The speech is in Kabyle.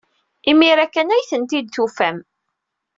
Imir-a kan ay ten-id-tufam.